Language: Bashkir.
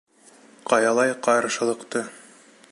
Ҡаялай ҡаршылыҡты.